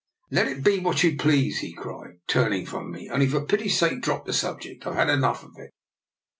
" Let it be what you please," he cried, turning from me. Only for pity's sake drop the subject: I've had enough of it."